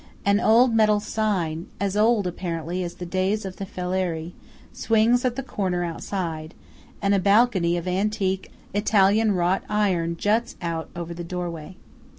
And old metal sign–as old, apparently, as the days of the Falieri–swings at the corner outside; and a balcony of antique Italian wrought iron juts out over the doorway.